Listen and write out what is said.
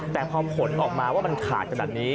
แต่พอผลออกมาว่ามันขาดกันแบบนี้